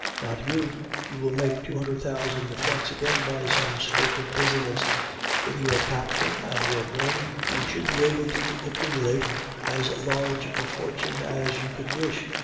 Not you. You will make two hundred thousand francs again by some stroke of business. With your capital and your brains you should be able to accumulate as large a fortune as you could wish.